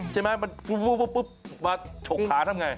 ใช่ไหมมันปุ๊บมาฉกขาทำอย่างไร